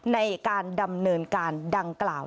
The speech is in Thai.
ในการดำเนินการดังกล่าว